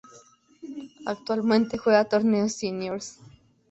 Actualmente juega torneos seniors.